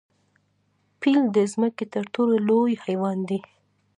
پیل د ځمکې تر ټولو لوی حیوان دی